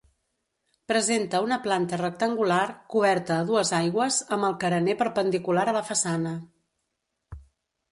Presenta una planta rectangular coberta a dues aigües amb el carener perpendicular a la façana.